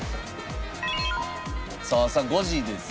さあ朝５時です。